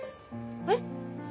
えっ？